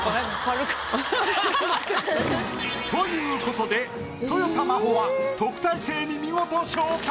ということでとよた真帆は特待生に見事昇格！